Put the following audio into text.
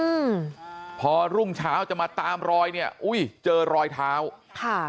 อืมพอรุ่งเช้าจะมาตามรอยเนี้ยอุ้ยเจอรอยเท้าค่ะ